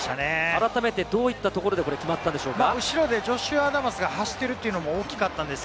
改めてどういったところで決まったんでしょうか？